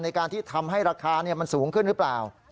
ในการที่ทำให้ราคามันสูงขึ้นหรือเปล่า